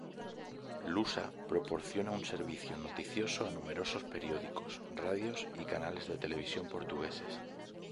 Lusa proporciona un servicio noticioso a numerosos periódicos, radios y canales de televisión portugueses.